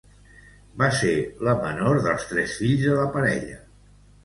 Va ser la menor dels tres fills de la parella.